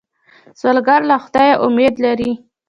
سوالګر له خدایه امید لري